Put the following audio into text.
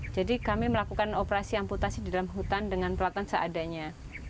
jadi kami melakukan operasi amputasi di dalam hutan dengan perlaksanaan seadanya